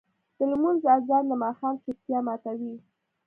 د لمونځ اذان د ماښام چوپتیا ماتوي.